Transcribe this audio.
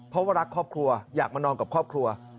เพราะว่ารักครอบครัวอยากมานอนกับครอบครัว